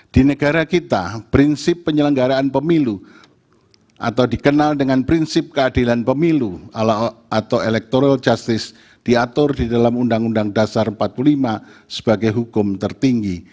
di negara kita prinsip penyelenggaraan pemilu atau dikenal dengan prinsip keadilan pemilu atau electoral justice diatur di dalam undang undang dasar empat puluh lima sebagai hukum tertinggi